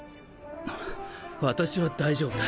私は大丈夫だ。